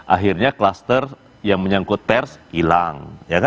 akhirnya kluster yang menyangkut pers hilang